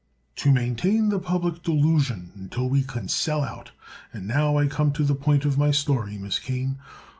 "To maintain the public delusion until we can sell out. And now I come to the point of my story, Miss Kane.